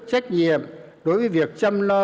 trách nhiệm đối với việc chăm lo